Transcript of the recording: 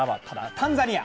タンザニア。